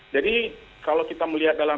jadi kalau kita melihat dalam